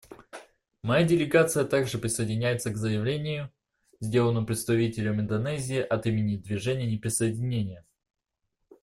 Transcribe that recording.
Моя делегация также присоединяется к заявлению, сделанному представителем Индонезии от имени Движения неприсоединения.